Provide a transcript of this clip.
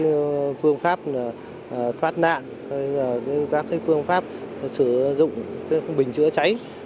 các phương pháp thoát nạn các phương pháp sử dụng bình chữa cháy